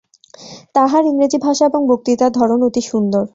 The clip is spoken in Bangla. তাঁহার ইংরেজী ভাষা এবং বক্তৃতার ধরন অতি সুন্দর।